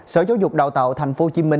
sở giáo dục đào tạo tp hcm